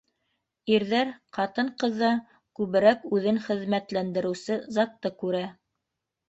Ирҙәр ҡатын-ҡыҙҙа күберәк үҙен хеҙмәтләндереүсе затты күрә.